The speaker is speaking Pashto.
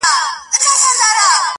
د غلا په جرم به پاچاصاب محترم نیسې.